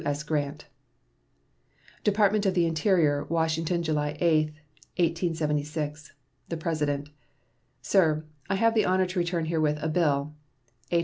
S. GRANT. DEPARTMENT OF THE INTERIOR, Washington July 8, 1876. The PRESIDENT. SIR: I have the honor to return herewith a bill (H.